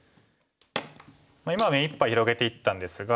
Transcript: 今は目いっぱい広げていったんですが。